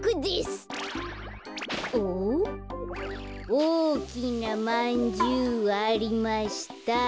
「おおきなまんじゅうありました」